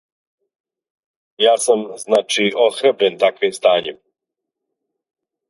Ја сам, значи, охрабрен таквим стањем.